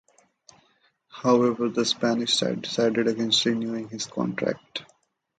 However, the Spanish side decided against renewing his contract.